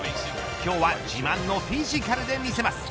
今日は自慢のフィジカルで見せます。